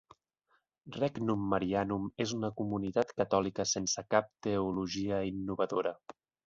Regnum Marianum és una comunitat catòlica sense cap teologia innovadora.